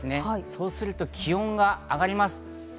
そうすると気温が上がります。